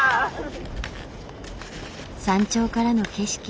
山頂からの景色。